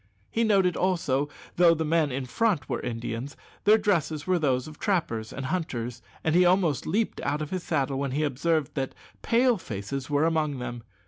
He noted also that, though the men in front were Indians, their dresses were those of trappers and hunters, and he almost leaped out of his saddle when he observed that "Pale faces" were among them.